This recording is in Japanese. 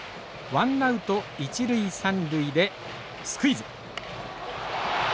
ワンナウト一塁三塁でスクイズ。